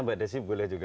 mbak desi boleh juga